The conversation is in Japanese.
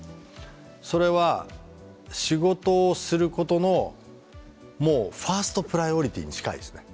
それは仕事をすることのもうファーストプライオリティーに近いですね